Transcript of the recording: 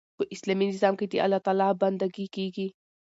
په اسلامي نظام کښي د الله تعالی بندګي کیږي.